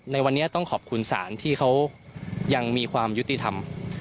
ในวันนี้ต้องขอบคุณศาลที่เขายังมีความยุติธรรม